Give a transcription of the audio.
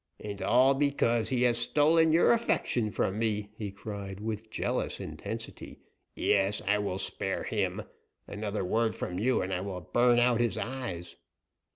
"And all because he has stolen your affection from me," he cried, with jealous intensity. "Yes, I will spare him; another word from you, and I will burn out his eyes!"